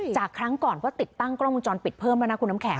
ครั้งก่อนเพราะติดตั้งกล้องวงจรปิดเพิ่มแล้วนะคุณน้ำแข